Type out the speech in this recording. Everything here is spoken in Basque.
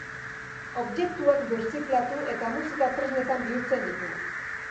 Objektuak birziklatu eta musika tresnetan bihurtzen ditu.